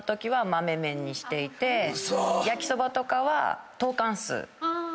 焼きそばとかはトーカンスーにして。